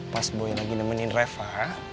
pas boy lagi nemenin reva